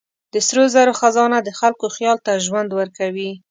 د سرو زرو خزانه د خلکو خیال ته ژوند ورکوي.